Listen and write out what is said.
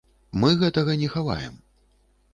Мы гэтага не хаваем.